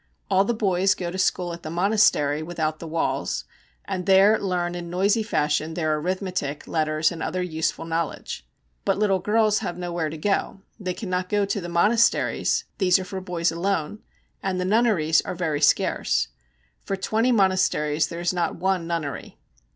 All the boys go to school at the monastery without the walls, and there learn in noisy fashion their arithmetic, letters, and other useful knowledge. But little girls have nowhere to go. They cannot go to the monasteries, these are for boys alone, and the nunneries are very scarce. For twenty monasteries there is not one nunnery.